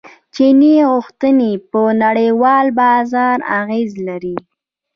چیني غوښتنې په نړیوال بازار اغیز لري.